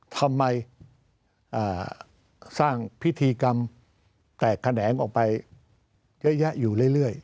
ทำไมสร้างพิธีกรรมแตกแขนงออกไปเยอะแยะอยู่เรื่อย